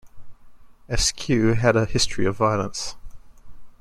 Askew had a history of violence.